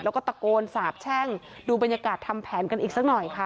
แล้วก็ตะโกนสาบแช่งดูบรรยากาศทำแผนกันอีกสักหน่อยค่ะ